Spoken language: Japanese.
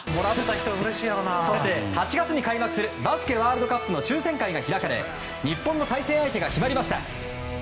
そして、８月に開幕するバスケワールドカップの抽選会が開かれ日本の対戦相手が決まりました。